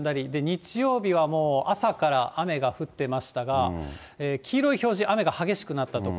日曜日はもう朝から雨が降ってましたが、黄色い表示、雨が激しくなった所。